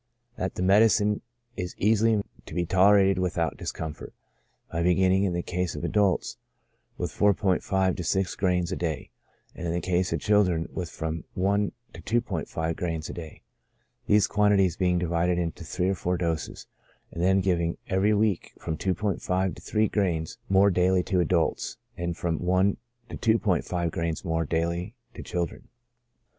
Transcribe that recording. That the medicine is easily made to be tolerated without discomfort, by beginning, in the case of adults, with 4*5 to 6 grains a day, and in the case of children with from i to 2*5 grains a day, these quantities being divided into three or four doses ; and then giving, every week, from 2*5 to three grains more daily to adults, and from i to 2*5 grains more daily to children.